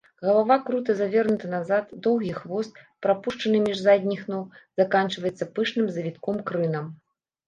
Галава крута завернута назад, доўгі хвост, прапушчаны між задніх ног, заканчваецца пышным завітком-крынам.